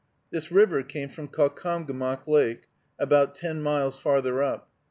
This river came from Caucomgomoc Lake, about ten miles farther up.